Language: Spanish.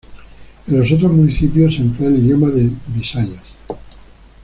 En los otros municipios se emplea el idioma de Visayas.